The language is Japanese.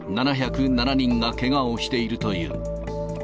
７０７人がけがをしているという。